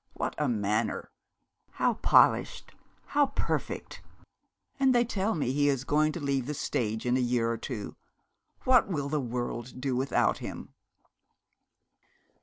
What a manner! How polished! How perfect! And they tell me he is going to leave the stage in a year or two. What will the world do without him?'